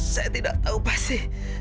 saya tidak tahu pasti